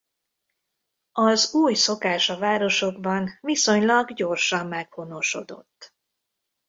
Az új szokás a városokban viszonylag gyorsan meghonosodott.